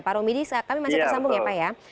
pak romidi kami masih tersambung ya pak ya